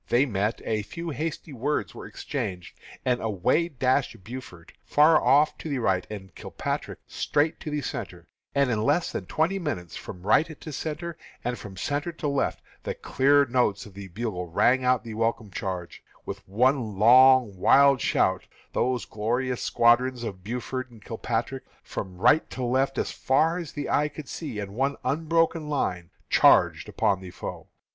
They met; a few hasty words were exchanged, and away dashed Buford far off to the right, and Kilpatrick straight to the centre; and in less than twenty minutes, from right to centre, and from centre to left, the clear notes of the bugles rang out the welcome charging, and with one long, wild shout, those glorious squadrons of Buford and Kilpatrick, from right to left, as far as the eye could see, in one unbroken line, charged upon the foe.